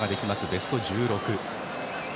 ベスト１６です。